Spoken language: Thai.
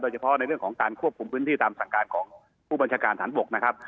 เฉพาะในเรื่องของการควบคุมพื้นที่ตามสั่งการของผู้บัญชาการฐานบกนะครับ